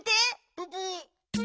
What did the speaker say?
ププ！